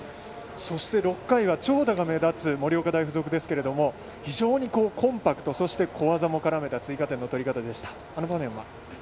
そして、６回は長打が目立つ盛岡大付属でしたが非常にコンパクトそして小技も絡めた追加点の取り方でしたがあの場面は。